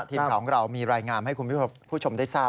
ทีมข่าวของเรามีรายงานให้คุณผู้ชมได้ทราบ